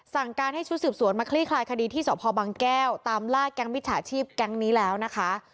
สั่งการให้ชุดสืบสวนมาคลี่คลายคดีที่สพบังแก้วตามล่าแก๊งมิจฉาชีพแก๊งนี้แล้วนะคะ